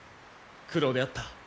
苦労であった。